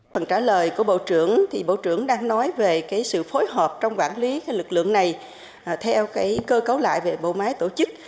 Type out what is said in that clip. phần trả lời của bộ trưởng bộ trưởng đang nói về sự phối hợp trong quản lý lực lượng này theo cơ cấu lại về bộ máy tổ chức